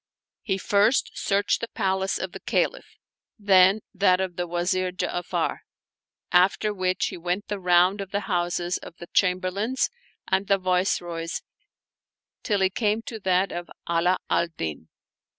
He first searched the palace of the Caliph, then that of the Wazir Ja'afar ; after which he went the round of the houses of the Chamber lains and the Viceroys till he came to that of Ala al Din.